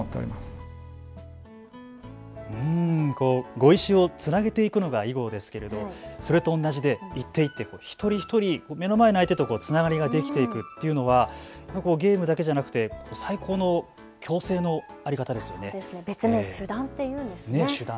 碁石をつなげていくのが囲碁ですけれどそれと同じで一手一手、一人一人、目の前の相手とつながりができていくというのはゲームだけじゃなくて最高の共生の在り方ですよね。